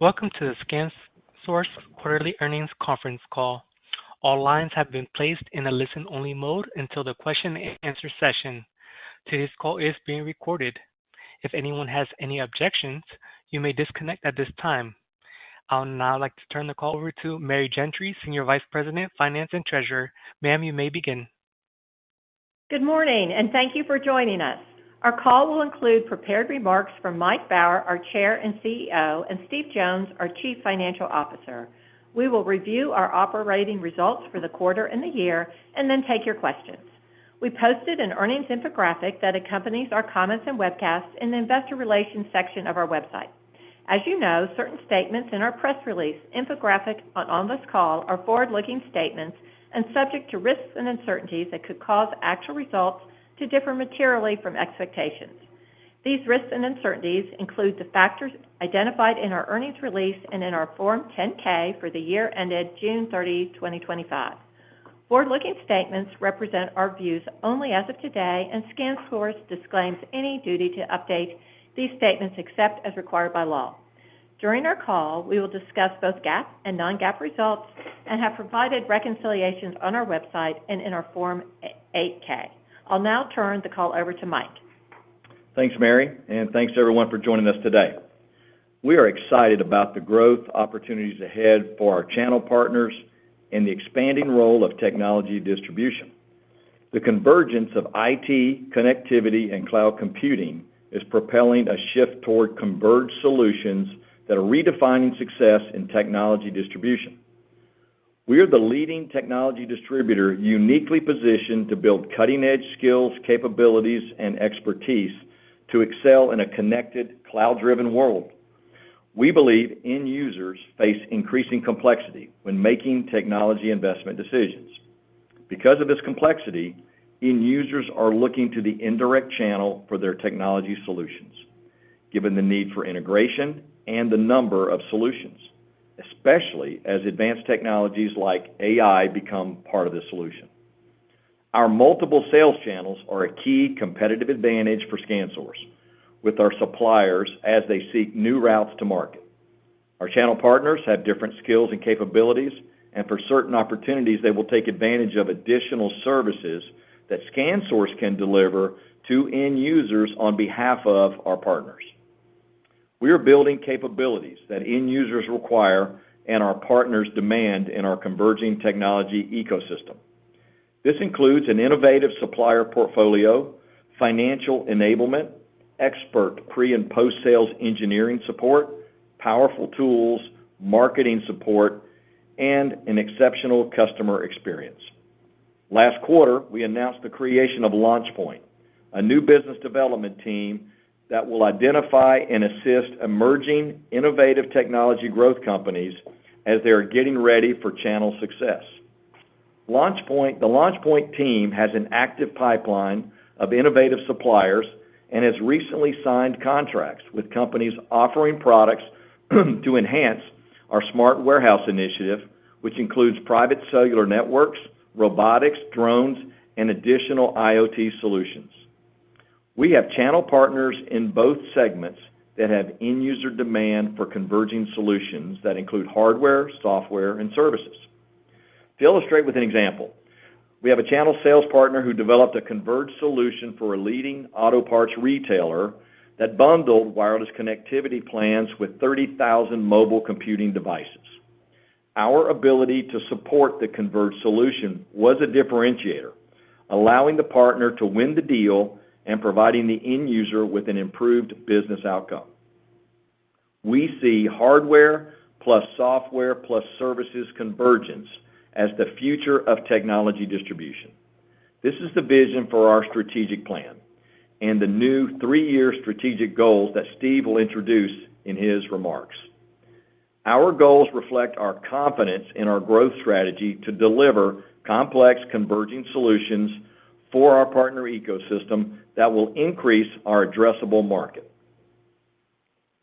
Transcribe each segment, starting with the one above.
Welcome to the ScanSource quarterly earnings conference call. All lines have been placed in a listen-only mode until the question and answer session. Today's call is being recorded. If anyone has any objections, you may disconnect at this time. I would now like to turn the call over to Mary Gentry, Senior Vice President, Finance and Treasurer. Ma'am, you may begin. Good morning, and thank you for joining us. Our call will include prepared remarks from Mike Baur, our Chair and CEO, and Steve Jones, our Chief Financial Officer. We will review our operating results for the quarter and the year, and then take your questions. We posted an earnings infographic that accompanies our comments and webcasts in the Investor Relations section of our website. As you know, certain statements in our press release, infographic on this call, are forward-looking statements and subject to risks and uncertainties that could cause actual results to differ materially from expectations. These risks and uncertainties include the factors identified in our earnings release and in our Form 10-K for the year ended June 30, 2025. Forward-looking statements represent our views only as of today, and ScanSource disclaims any duty to update these statements except as required by law. During our call, we will discuss both GAAP and non-GAAP results and have provided reconciliations on our website and in our Form 8-K. I'll now turn the call over to Mike. Thanks, Mary, and thanks to everyone for joining us today. We are excited about the growth opportunities ahead for our channel partners and the expanding role of technology distribution. The convergence of IT, connectivity, and cloud computing is propelling a shift toward converged solutions that are redefining success in technology distribution. We are the leading technology distributor uniquely positioned to build cutting-edge skills, capabilities, and expertise to excel in a connected, cloud-driven world. We believe end users face increasing complexity when making technology investment decisions. Because of this complexity, end users are looking to the indirect channel for their technology solutions, given the need for integration and the number of solutions, especially as advanced technologies like AI become part of the solution. Our multiple sales channels are a key competitive advantage for ScanSource, with our suppliers as they seek new routes to market. Our channel partners have different skills and capabilities, and for certain opportunities, they will take advantage of additional services that ScanSource can deliver to end users on behalf of our partners. We are building capabilities that end users require and our partners demand in our converging technology ecosystem. This includes an innovative supplier portfolio, financial enablement, expert pre- and post-sales engineering support, powerful tools, marketing support, and an exceptional customer experience. Last quarter, we announced the creation of LaunchPoint, a new business development team that will identify and assist emerging innovative technology growth companies as they are getting ready for channel success. LaunchPoint, the LaunchPoint team, has an active pipeline of innovative suppliers and has recently signed contracts with companies offering products to enhance our smart warehouse initiative, which includes private cellular networks, robotics, drones, and additional IoT solutions. We have channel partners in both segments that have end user demand for converging solutions that include hardware, software, and services. To illustrate with an example, we have a channel sales partner who developed a converged solution for a leading auto parts retailer that bundled wireless connectivity plans with 30,000 mobile computing devices. Our ability to support the converged solution was a differentiator, allowing the partner to win the deal and providing the end user with an improved business outcome. We see hardware plus software plus services convergence as the future of technology distribution. This is the vision for our strategic plan and the new three-year strategic goals that Steve will introduce in his remarks. Our goals reflect our confidence in our growth strategy to deliver complex converging solutions for our partner ecosystem that will increase our addressable market.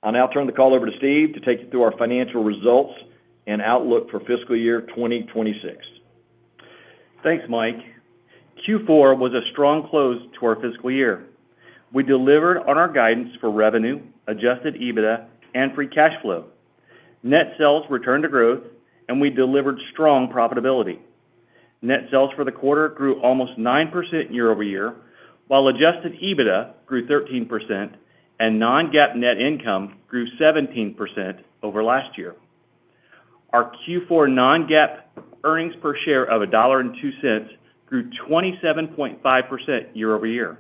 I'll now turn the call over to Steve to take you through our financial results and outlook for fiscal year 2026. Thanks, Mike. Q4 was a strong close to our fiscal year. We delivered on our guidance for revenue, adjusted EBITDA, and free cash flow. Net sales returned to growth, and we delivered strong profitability. Net sales for the quarter grew almost 9% year-over-year, while adjusted EBITDA grew 13% and non-GAAP net income grew 17% over last year. Our Q4 non-GAAP earnings per share of $1.02 grew 27.5% year-over-year.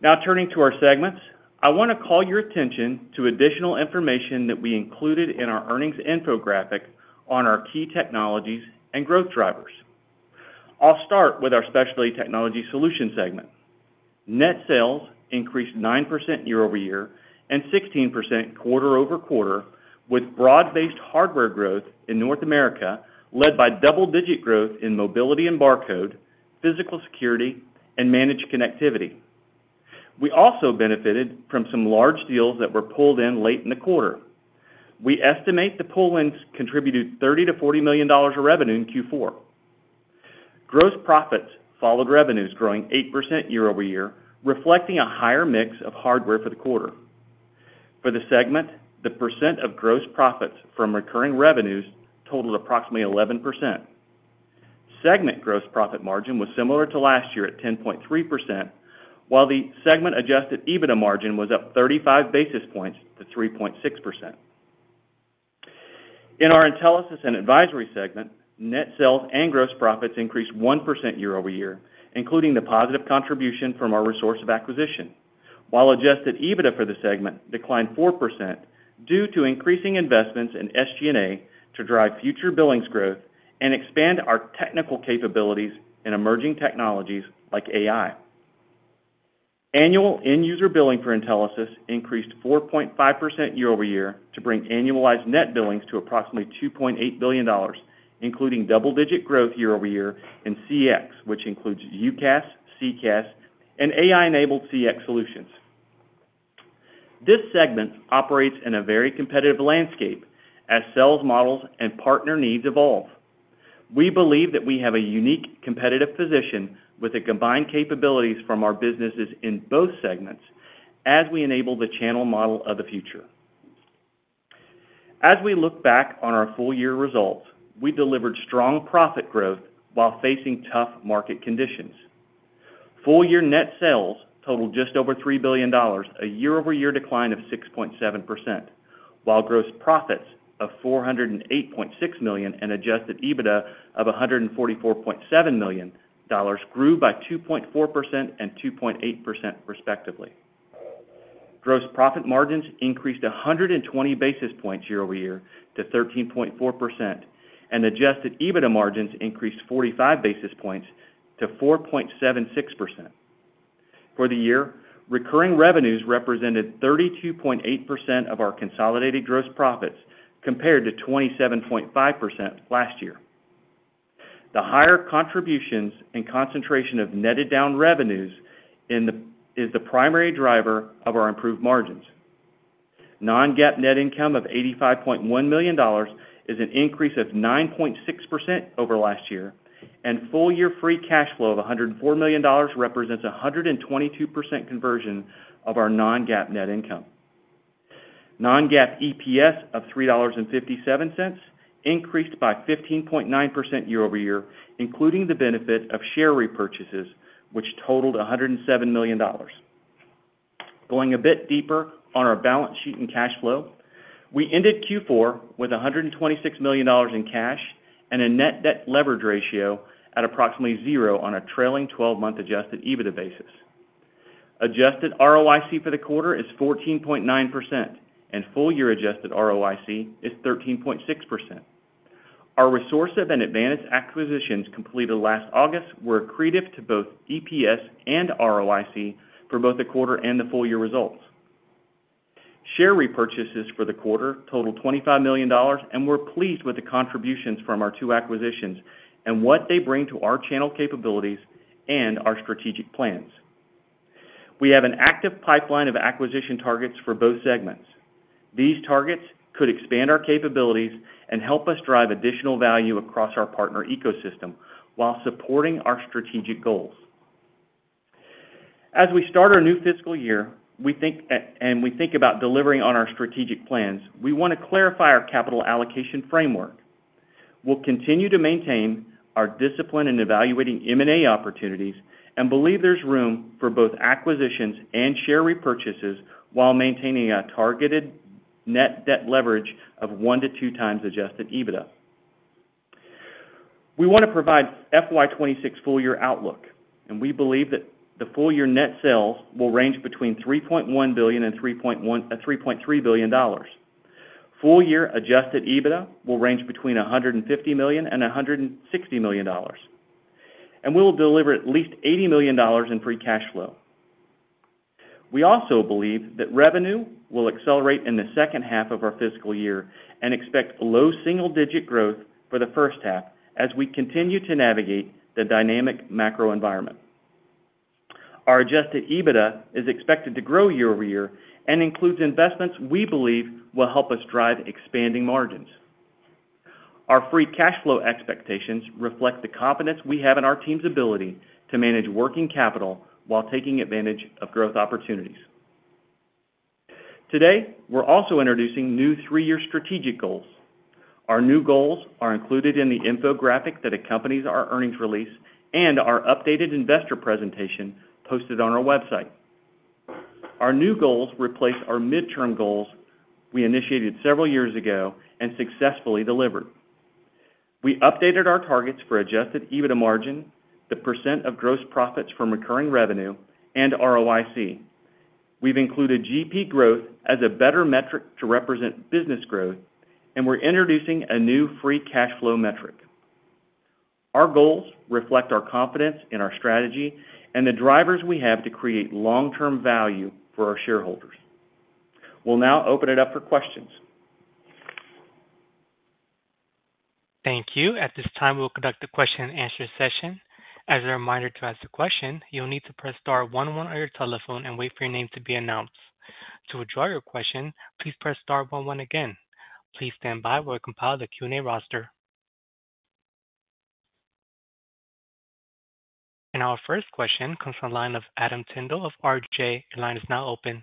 Now turning to our segments, I want to call your attention to additional information that we included in our earnings infographic on our key technologies and growth drivers. I'll start with our Specialty Technology Solutions segment. Net sales increased 9% year-over-year and 16% quarter-over-quarter, with broad-based hardware growth in North America led by double-digit growth in mobility and barcode, physical security, and managed connectivity. We also benefited from some large deals that were pulled in late in the quarter. We estimate the pull-ins contributed $30 million-$40 million of revenue in Q4. Gross profits followed revenues, growing 8% year-over-year, reflecting a higher mix of hardware for the quarter. For the segment, the percent of gross profits from recurring revenues totaled approximately 11%. Segment gross profit margin was similar to last year at 10.3%, while the segment adjusted EBITDA margin was up 35 basis points to 3.6%. In our Intelisys and Advisory segment, net sales and gross profits increased 1% year-over-year, including the positive contribution from our Resource acquisition, while adjusted EBITDA for the segment declined 4% due to increasing investments in SG&A to drive future billings growth and expand our technical capabilities in emerging technologies like AI. Annual end user billing for Intelisys increased 4.5% year-over-year to bring annualized net billings to approximately $2.8 billion, including double-digit growth year-over-year in CX, which includes UCaaS, CCaaS, and AI-enabled CX solutions. This segment operates in a very competitive landscape as sales models and partner needs evolve. We believe that we have a unique competitive position with the combined capabilities from our businesses in both segments as we enable the channel model of the future. As we look back on our full-year results, we delivered strong profit growth while facing tough market conditions. Full-year net sales totaled just over $3 billion, a year-over-year decline of 6.7%, while gross profits of $408.6 million and adjusted EBITDA of $144.7 million grew by 2.4% and 2.8%, respectively. Gross profit margins increased 120 basis points year-over-year to 13.4%, and adjusted EBITDA margins increased 45 basis points to 4.76%. For the year, recurring revenues represented 32.8% of our consolidated gross profits compared to 27.5% last year. The higher contributions and concentration of netted down revenues is the primary driver of our improved margins. Non-GAAP net income of $85.1 million is an increase of 9.6% over last year, and full-year free cash flow of $104 million represents a 122% conversion of our non-GAAP net income. Non-GAAP EPS of $3.57 increased by 15.9% year-over-year, including the benefit of share repurchases, which totaled $107 million. Going a bit deeper on our balance sheet and cash flow, we ended Q4 with $126 million in cash and a net debt leverage ratio at approximately zero on a trailing 12-month adjusted EBITDA basis. Adjusted ROIC for the quarter is 14.9%, and full-year adjusted ROIC is 13.6%. Our Resource and Advantix acquisitions completed last August were accretive to both EPS and ROIC for both the quarter and the full-year results. Share repurchases for the quarter totaled $25 million, and we're pleased with the contributions from our two acquisitions and what they bring to our channel capabilities and our strategic plans. We have an active pipeline of acquisition targets for both segments. These targets could expand our capabilities and help us drive additional value across our partner ecosystem while supporting our strategic goals. As we start our new fiscal year and we think about delivering on our strategic plans, we want to clarify our capital allocation framework. We'll continue to maintain our discipline in evaluating M&A opportunities and believe there's room for both acquisitions and share repurchases while maintaining a targeted net debt leverage of one to two times adjusted EBITDA. We want to provide FY 2026 full-year outlook, and we believe that the full-year net sales will range between $3.1 billion and $3.3 billion. Full-year adjusted EBITDA will range between $150 million and $160 million, and we'll deliver at least $80 million in free cash flow. We also believe that revenue will accelerate in the second half of our fiscal year and expect low single-digit growth for the first half as we continue to navigate the dynamic macro environment. Our adjusted EBITDA is expected to grow year-over-year and includes investments we believe will help us drive expanding margins. Our free cash flow expectations reflect the confidence we have in our team's ability to manage working capital while taking advantage of growth opportunities. Today, we're also introducing new three-year strategic goals. Our new goals are included in the infographic that accompanies our earnings release and our updated investor presentation posted on our website. Our new goals replace our midterm goals we initiated several years ago and successfully delivered. We updated our targets for adjusted EBITDA margin, the % of gross profits from recurring revenue, and ROIC. We've included GP growth as a better metric to represent business growth, and we're introducing a new free cash flow metric. Our goals reflect our confidence in our strategy and the drivers we have to create long-term value for our shareholders. We'll now open it up for questions. Thank you. At this time, we will conduct the question and answer session. As a reminder, to ask a question, you'll need to press star one-one on your telephone and wait for your name to be announced. To withdraw your question, please press star one-one again. Please stand by while we compile the Q&A roster. Our first question comes from the line of Adam Tindle of RJ, and the line is now open.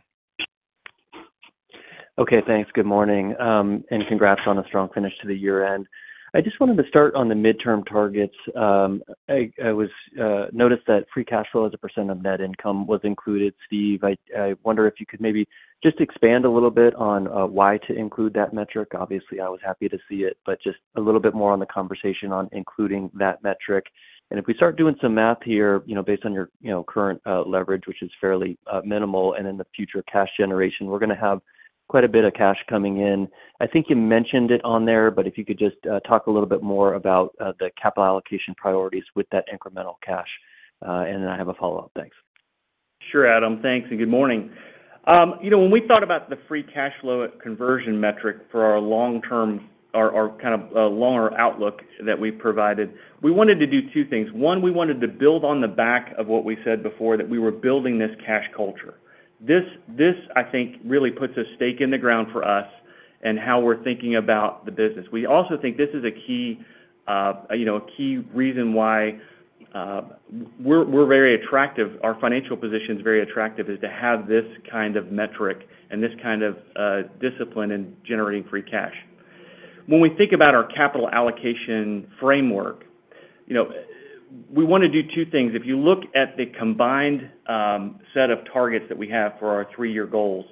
Okay, thanks. Good morning, and congrats on a strong finish to the year-end. I just wanted to start on the midterm targets. I noticed that free cash flow as a % of net income was included. Steve, I wonder if you could maybe just expand a little bit on why to include that metric. Obviously, I was happy to see it, but just a little bit more on the conversation on including that metric. If we start doing some math here, you know, based on your current leverage, which is fairly minimal, and then the future cash generation, we're going to have quite a bit of cash coming in. I think you mentioned it on there, but if you could just talk a little bit more about the capital allocation priorities with that incremental cash, I have a follow-up. Thanks. Sure, Adam. Thanks, and good morning. When we thought about the free cash flow conversion metric for our long-term, our kind of longer outlook that we provided, we wanted to do two things. One, we wanted to build on the back of what we said before that we were building this cash culture. This, I think, really puts a stake in the ground for us and how we're thinking about the business. We also think this is a key, a key reason why we're very attractive, our financial position is very attractive, is to have this kind of metric and this kind of discipline in generating free cash. When we think about our capital allocation framework, we want to do two things. If you look at the combined set of targets that we have for our three-year goals,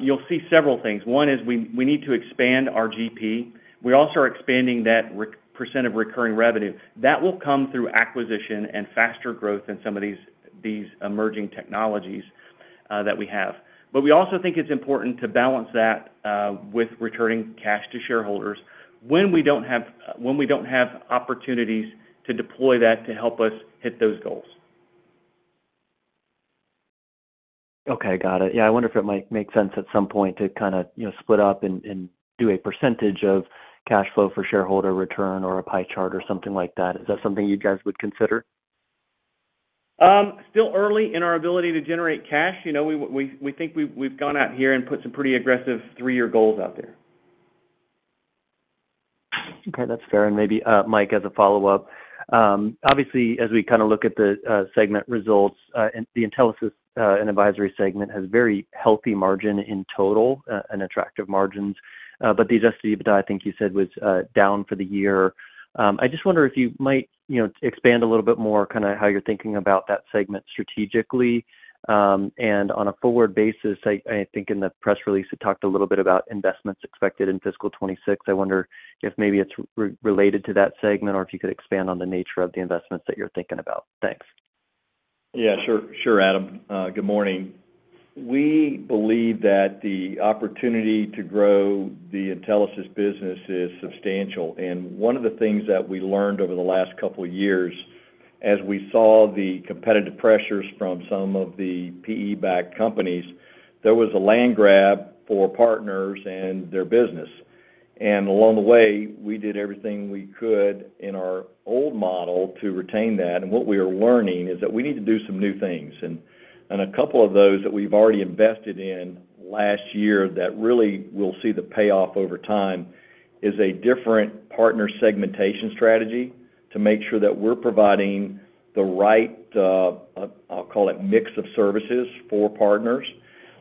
you'll see several things. One is we need to expand our GP. We also are expanding that % of recurring revenue. That will come through acquisition and faster growth in some of these emerging technologies that we have. We also think it's important to balance that with returning cash to shareholders when we don't have opportunities to deploy that to help us hit those goals. Okay, got it. I wonder if it might make sense at some point to kind of, you know, split up and do a % of cash flow for shareholder return or a pie chart or something like that. Is that something you guys would consider? Still early in our ability to generate cash. We think we've gone out here and put some pretty aggressive three-year goals out there. Okay, that's fair. Maybe Mike, as a follow-up, obviously, as we kind of look at the segment results, the Intelisys and Advisory segment has very healthy margin in total and attractive margins, but the adjusted EBITDA, I think you said, was down for the year. I just wonder if you might expand a little bit more kind of how you're thinking about that segment strategically. On a forward basis, I think in the press release, it talked a little bit about investments expected in fiscal 2026. I wonder if maybe it's related to that segment or if you could expand on the nature of the investments that you're thinking about. Thanks. Yeah, sure, sure, Adam. Good morning. We believe that the opportunity to grow the Intelisys business is substantial. One of the things that we learned over the last couple of years, as we saw the competitive pressures from some of the PE-backed companies, there was a land grab for partners and their business. Along the way, we did everything we could in our old model to retain that. What we are learning is that we need to do some new things. A couple of those that we've already invested in last year that really will see the payoff over time is a different partner segmentation strategy to make sure that we're providing the right, I'll call it mix of services for partners.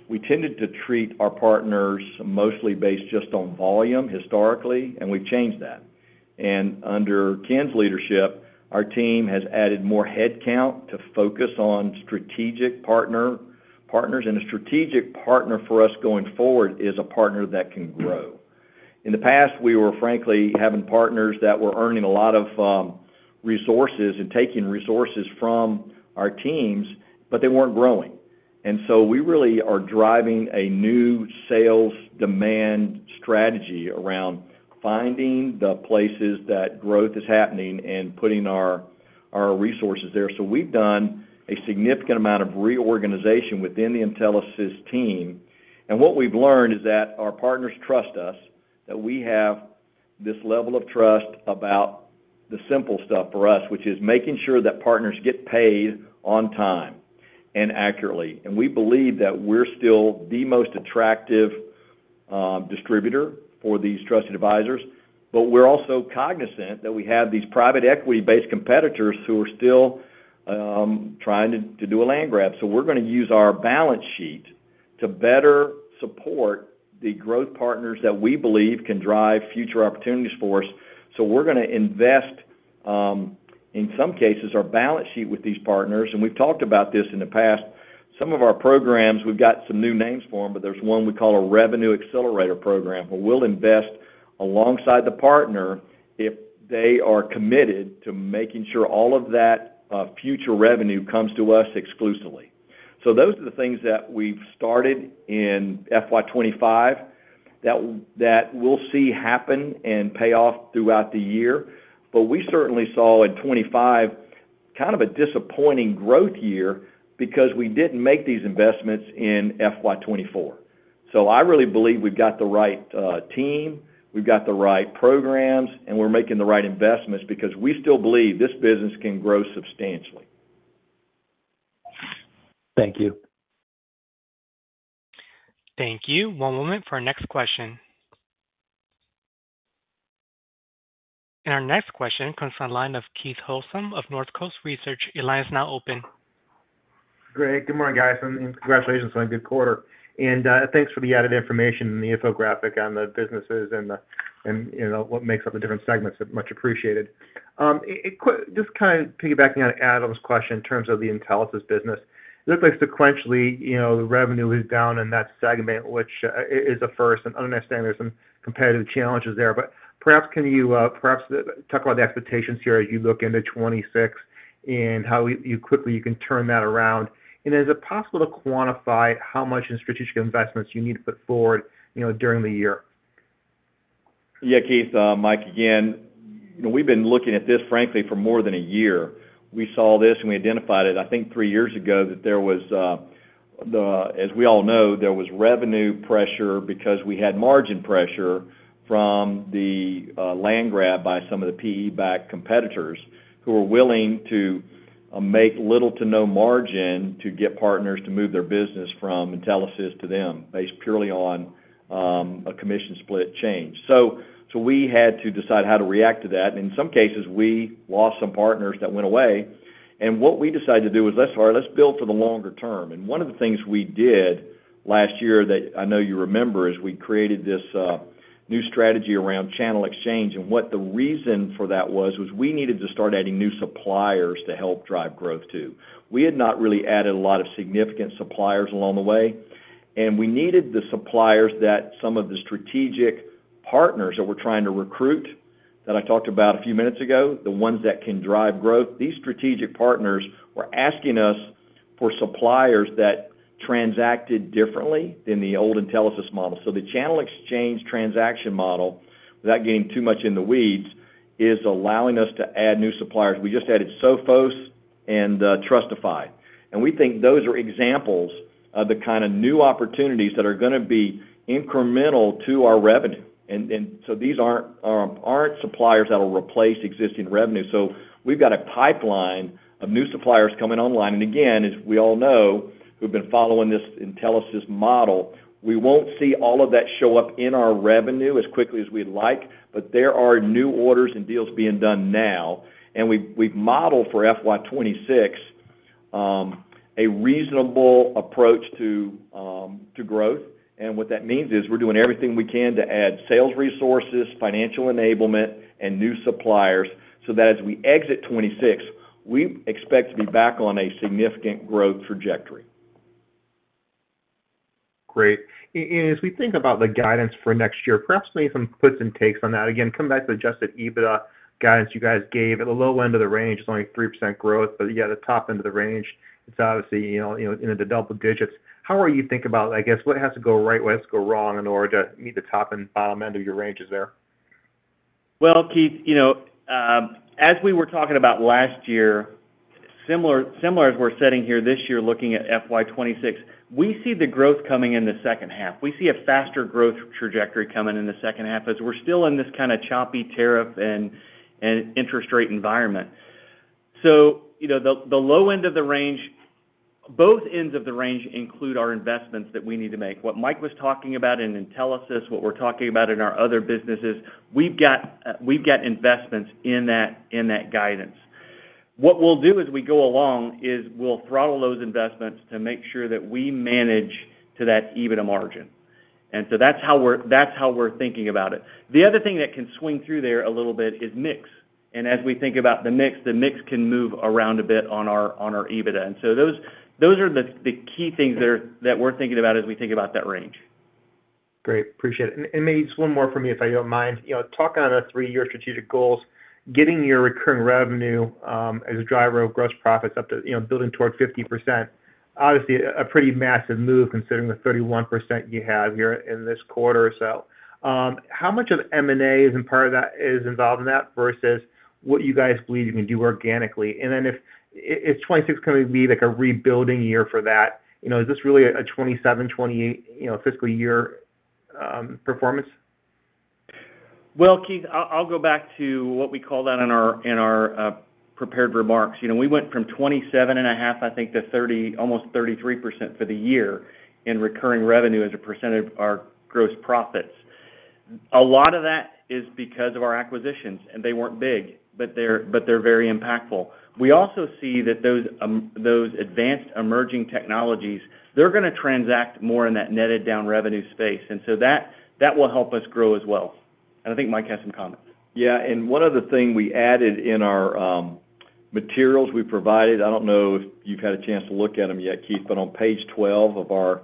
We tended to treat our partners mostly based just on volume historically, and we've changed that. Under Ken's leadership, our team has added more headcount to focus on strategic partners. A strategic partner for us going forward is a partner that can grow. In the past, we were frankly having partners that were earning a lot of resources and taking resources from our teams, but they weren't growing. We really are driving a new sales demand strategy around finding the places that growth is happening and putting our resources there. We've done a significant amount of reorganization within the Intelisys team. What we've learned is that our partners trust us, that we have this level of trust about the simple stuff for us, which is making sure that partners get paid on time and accurately. We believe that we're still the most attractive distributor for these trusted advisors, but we're also cognizant that we have these private equity-based competitors who are still trying to do a land grab. We're going to use our balance sheet to better support the growth partners that we believe can drive future opportunities for us. We're going to invest, in some cases, our balance sheet with these partners. We've talked about this in the past. Some of our programs, we've got some new names for them, but there's one we call a revenue accelerator program where we'll invest alongside the partner if they are committed to making sure all of that future revenue comes to us exclusively. Those are the things that we've started in FY 2025 that we'll see happen and pay off throughout the year. We certainly saw in 2025 kind of a disappointing growth year because we didn't make these investments in FY 2024. I really believe we've got the right team, we've got the right programs, and we're making the right investments because we still believe this business can grow substantially. Thank you. One moment for our next question. Our next question comes from the line of Keith Michael Housum of Northcoast Research. Your line is now open. Greg, good morning, guys, and congratulations on a good quarter. Thanks for the added information in the infographic on the businesses and what makes up the different segments. Much appreciated. Just kind of piggybacking on Adam's question in terms of the Intelisys business, it looks like sequentially the revenue is down in that segment, which is a first. I understand there's some competitive challenges there, but perhaps can you talk about the expectations here as you look into 2026 and how quickly you can turn that around? Is it possible to quantify how much in strategic investments you need to put forward during the year? Yeah, Keith, Mike again, you know, we've been looking at this frankly for more than a year. We saw this and we identified it, I think, three years ago that there was, as we all know, there was revenue pressure because we had margin pressure from the land grab by some of the PE-backed competitors who were willing to make little to no margin to get partners to move their business from Intelisys to them based purely on a commission split change. We had to decide how to react to that. In some cases, we lost some partners that went away. What we decided to do was, let's build for the longer term. One of the things we did last year that I know you remember is we created this new strategy around channel exchange. The reason for that was we needed to start adding new suppliers to help drive growth too. We had not really added a lot of significant suppliers along the way. We needed the suppliers that some of the strategic partners that we're trying to recruit that I talked about a few minutes ago, the ones that can drive growth. These strategic partners were asking us for suppliers that transacted differently than the old Intelisys model. The channel exchange transaction model, without getting too much in the weeds, is allowing us to add new suppliers. We just added Sophos and Trustifi. We think those are examples of the kind of new opportunities that are going to be incremental to our revenue. These aren't suppliers that will replace existing revenue. We've got a pipeline of new suppliers coming online. As we all know, we've been following this Intelisys model. We won't see all of that show up in our revenue as quickly as we'd like, but there are new orders and deals being done now. We've modeled for FY 2026 a reasonable approach to growth. What that means is we're doing everything we can to add sales resources, financial enablement, and new suppliers so that as we exit 2026, we expect to be back on a significant growth trajectory. Great. As we think about the guidance for next year, perhaps maybe some puts and takes on that. Again, coming back to the adjusted EBITDA guidance you guys gave, at the low end of the range, it's only 3% growth, but yeah, the top end of the range, it's obviously, you know, in the double digits. How are you thinking about, I guess, what has to go right, what has to go wrong in order to meet the top and bottom end of your ranges there? Keith, as we were talking about last year, similar as we're sitting here this year looking at FY 2026, we see the growth coming in the second half. We see a faster growth trajectory coming in the second half as we're still in this kind of choppy tariff and interest rate environment. The low end of the range, both ends of the range include our investments that we need to make. What Mike was talking about in Intelisys, what we're talking about in our other businesses, we've got investments in that guidance. What we'll do as we go along is we'll throttle those investments to make sure that we manage to that EBITDA margin. That's how we're thinking about it. The other thing that can swing through there a little bit is mix. As we think about the mix, the mix can move around a bit on our EBITDA. Those are the key things that we're thinking about as we think about that range. Great. Appreciate it. Maybe just one more for me, if I don't mind, talking on the three-year strategic goals, getting your recurring revenue as a driver of gross profits up to building toward 50%, obviously a pretty massive move considering the 31% you have here in this quarter or so. How much of M&A is in part of that, is involved in that versus what you guys believe you can do organically? If it's 2026 going to be like a rebuilding year for that, is this really a 2027, 2028 fiscal year performance? Keith, I'll go back to what we call that in our prepared remarks. You know, we went from 27.5% to almost 33% for the year in recurring revenue as a percent of our gross profit. A lot of that is because of our acquisitions, and they weren't big, but they're very impactful. We also see that those advanced emerging technologies are going to transact more in that netted down revenue space. That will help us grow as well. I think Mike has some comments. Yeah, and one other thing we added in our materials we provided, I don't know if you've had a chance to look at them yet, Keith, but on page 12 of our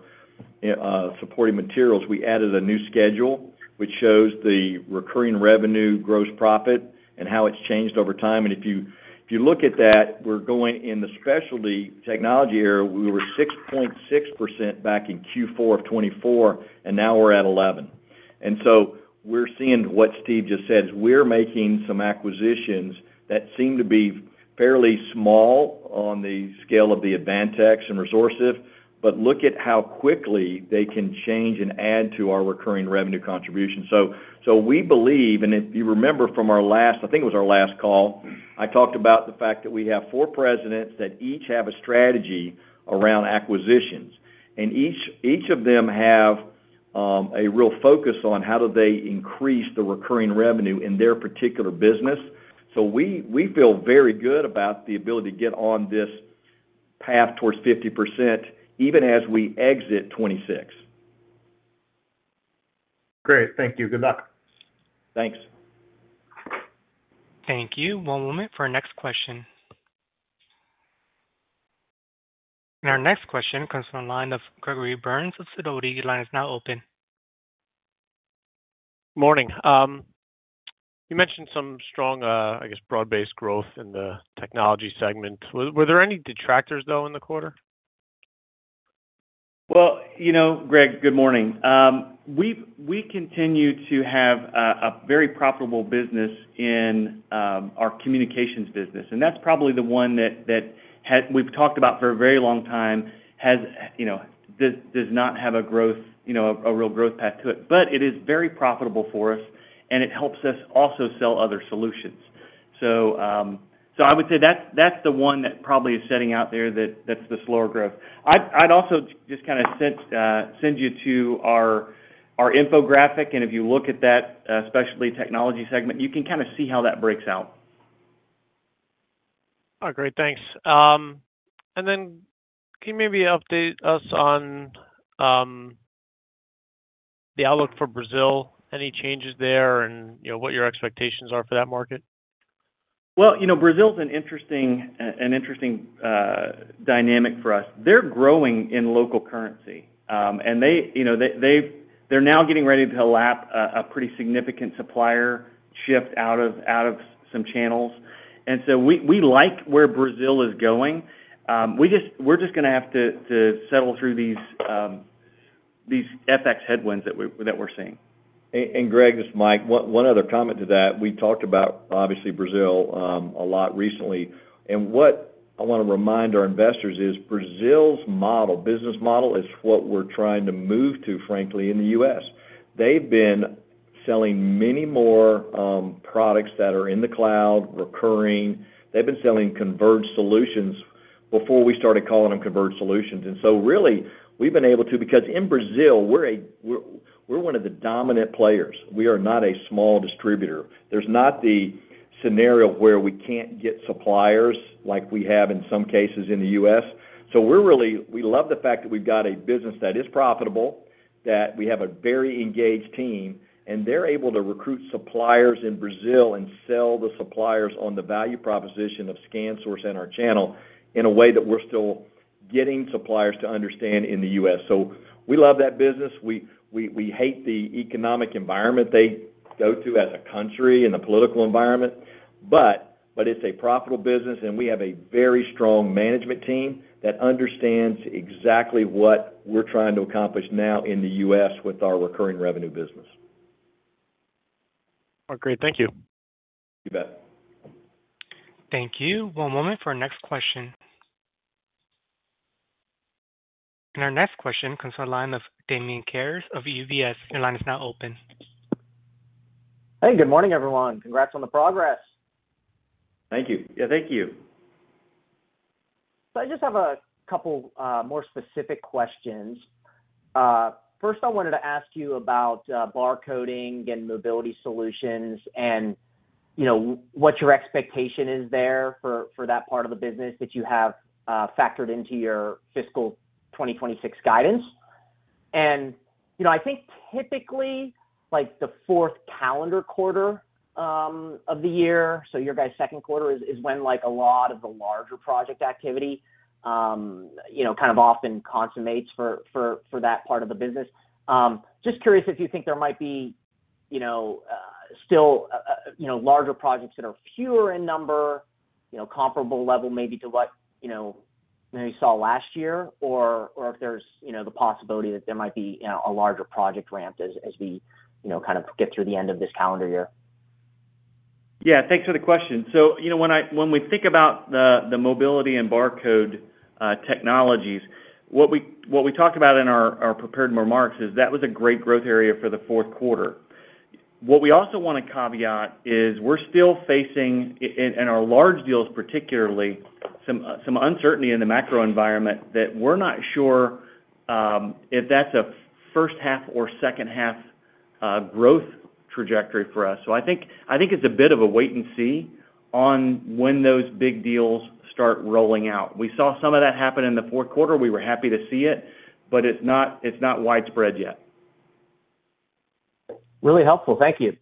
supporting materials, we added a new schedule, which shows the recurring revenue, gross profit, and how it's changed over time. If you look at that, we're going in the specialty technology area, we were 6.6% back in Q4 of 2024, and now we're at 11%. We're seeing what Steve just said, we're making some acquisitions that seem to be fairly small on the scale of the Advantix and Resource, but look at how quickly they can change and add to our recurring revenue contribution. We believe, and if you remember from our last, I think it was our last call, I talked about the fact that we have four presidents that each have a strategy around acquisitions. Each of them have a real focus on how do they increase the recurring revenue in their particular business. We feel very good about the ability to get on this path towards 50%, even as we exit 2026. Great. Thank you. Good luck. Thanks. Thank you. One moment for our next question. Our next question comes from the line of Gregory John Burns of Sidoti. Your line is now open. Morning. You mentioned some strong, I guess, broad-based growth in the technology segment. Were there any detractors in the quarter? Good morning, Greg. We continue to have a very profitable business in our communications business. That's probably the one that we've talked about for a very long time, as it does not have a real growth path to it. It is very profitable for us, and it helps us also sell other solutions. I would say that's the one that probably is sitting out there that's the slower growth. I'd also just kind of send you to our infographic, and if you look at that Specialty Technology Segment, you can kind of see how that breaks out. Great. Can you maybe update us on the outlook for Brazil? Any changes there, and what your expectations are for that market? Brazil's an interesting dynamic for us. They're growing in local currency, and they're now getting ready to lap a pretty significant supplier shift out of some channels. We like where Brazil is going. We're just going to have to settle through these FX headwinds that we're seeing. Greg, this is Mike. One other comment to that. We talked about, obviously, Brazil a lot recently. What I want to remind our investors is Brazil's model, business model, is what we're trying to move to, frankly, in the U.S. They've been selling many more products that are in the cloud, recurring. They've been selling converged solutions before we started calling them converged solutions. Really, we've been able to, because in Brazil, we're one of the dominant players. We are not a small distributor. There's not the scenario where we can't get suppliers like we have in some cases in the U.S. We really love the fact that we've got a business that is profitable, that we have a very engaged team, and they're able to recruit suppliers in Brazil and sell the suppliers on the value proposition of ScanSource and our channel in a way that we're still getting suppliers to understand in the U.S. We love that business. We hate the economic environment they go to as a country and the political environment. It's a profitable business, and we have a very strong management team that understands exactly what we're trying to accomplish now in the U.S. with our recurring revenue business. Thank you. One moment for our next question. Our next question comes from the line of Damian Karas of UBS. Your line is now open. Hey, good morning, everyone. Congrats on the progress. Thank you. I just have a couple more specific questions. First, I wanted to ask you about barcode and mobility solutions and what your expectation is there for that part of the business that you have factored into your fiscal 2026 guidance. I think typically, like the fourth calendar quarter of the year, so your second quarter, is when a lot of the larger project activity often consummates for that part of the business. Just curious if you think there might be still larger projects that are fewer in number, maybe comparable level to what you saw last year, or if there's the possibility that there might be a larger project ramped as we get through the end of this calendar year. Yeah, thanks for the question. When we think about the mobility and barcode technologies, what we talked about in our prepared remarks is that was a great growth area for the fourth quarter. What we also want to caveat is we're still facing, in our large deals particularly, some uncertainty in the macro environment that we're not sure if that's a first half or second half growth trajectory for us. I think it's a bit of a wait and see on when those big deals start rolling out. We saw some of that happen in the fourth quarter. We were happy to see it, but it's not widespread yet. Really helpful. Thank you.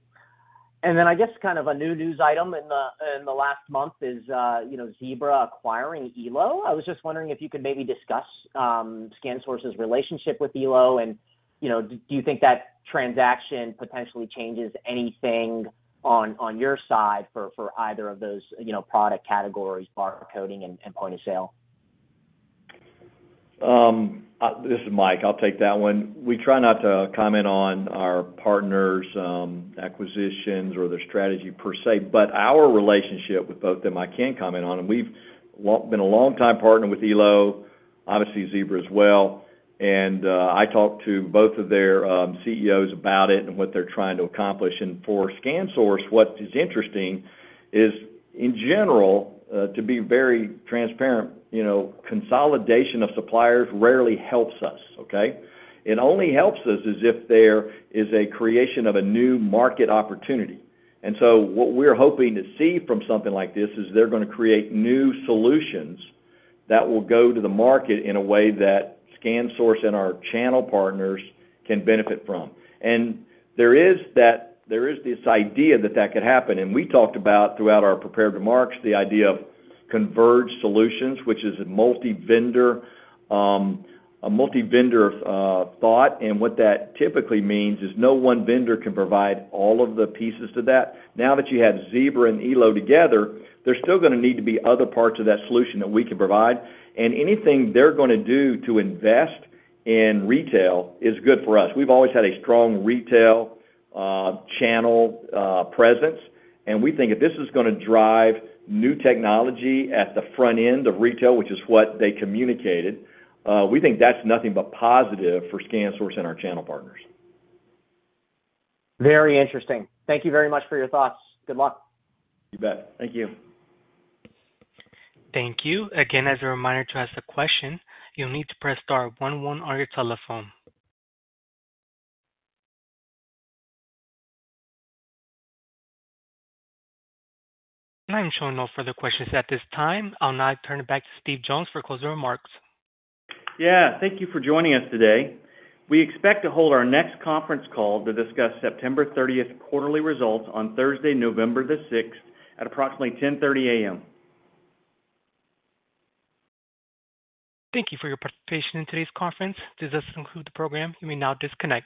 I guess kind of a new news item in the last month is, you know, Zebra acquiring Elo? I was just wondering if you could maybe discuss ScanSource's relationship with Elo, and, you know, do you think that transaction potentially changes anything on your side for either of those, you know, product categories, barcoding and point of sale? This is Mike. I'll take that one. We try not to comment on our partners' acquisitions or their strategy per se, but our relationship with both of them, I can comment on. We've been a long-time partner with Elo, obviously Zebra as well. I talked to both of their CEOs about it and what they're trying to accomplish. For ScanSource, what is interesting is, in general, to be very transparent, consolidation of suppliers rarely helps us, okay? It only helps us if there is a creation of a new market opportunity. What we're hoping to see from something like this is they're going to create new solutions that will go to the market in a way that ScanSource and our channel partners can benefit from. There is this idea that that could happen. We talked about throughout our prepared remarks the idea of converged solutions, which is a multi-vendor thought. What that typically means is no one vendor can provide all of the pieces to that. Now that you have Zebra and Elo together, there's still going to need to be other parts of that solution that we can provide. Anything they're going to do to invest in retail is good for us. We've always had a strong retail channel presence. We think if this is going to drive new technology at the front end of retail, which is what they communicated, we think that's nothing but positive for ScanSource and our channel partners. Very interesting. Thank you very much for your thoughts. Good luck. You bet. Thank you. Thank you. Again, as a reminder to ask a question, you'll need to press star one-one on your telephone. I'm showing no further questions at this time. I'll now turn it back to Steve Jones for closing remarks. Thank you for joining us today. We expect to hold our next conference call to discuss September 30 quarterly results on Thursday, November 6 at approximately 10:30 A.M. Thank you for your participation in today's conference. This does conclude the program. You may now disconnect.